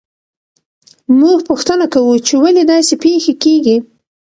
موږ پوښتنه کوو چې ولې داسې پېښې کیږي.